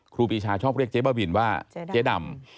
ครูปีชาชอบเรียกเจ๊บ้าบินว่าเจ๊ดำ